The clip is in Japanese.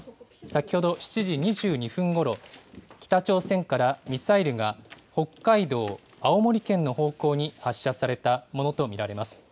先ほど、７時２２分ごろ、北朝鮮からミサイルが北海道、青森県の方向に発射されたものと見られます。